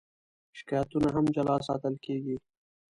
شکایتونه هم جلا ساتل کېږي.